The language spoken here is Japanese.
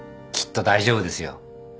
きっと大丈夫ですよ。